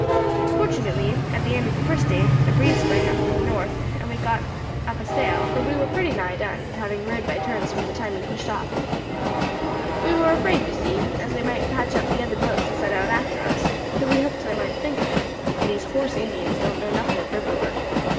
"Fortunately, at the end of the first day a breeze sprang up from the north, and we got up a sail, for we war pretty nigh done, having rowed by turns from the time we pushed off. We war afraid, you see, as they might patch up the other boats and set out after us, though we hoped they mightn't think of it, for these horse Indians don't know nothing of river work.